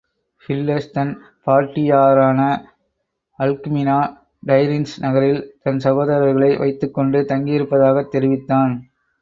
Hillis தன் பாட்டியாரான Alcmene Tiryns நகரில் தன் சகோதரர்களை வைத்துக்கொண்டு தங்கியிருப்பதாகத் தெரிவித்தான்.